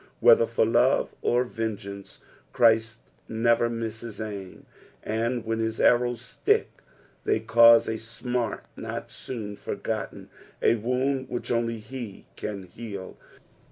Whether fur love or vengeance, Christ never misses aim, and when his arrows stick, they cause a smart not soon forgotten, a wound which only he can heal.